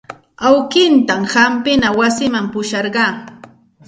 Awkiitan hampina wasiman pusharqaa.